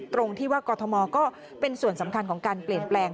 ตรงที่ว่ากรทมก็เป็นส่วนสำคัญของการเปลี่ยนแปลง